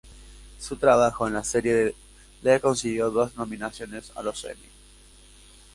Su trabajo en la serie le consiguió dos nominaciones a los Emmy.